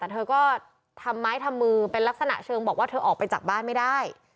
แต่เธอก็ทำไม้ทำมือเป็นลักษณะเชิงบอกว่าเธอออกไปจากบ้านไม่ได้